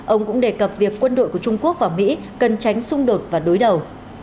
ông cũng đề cập việc quân đội của trung quốc và mỹ cần tránh xung đột và đối đầu